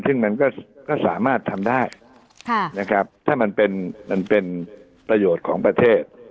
ซึ่งมันก็สามารถทำได้ถ้ามันเป็นประโยชน์ของประเทศ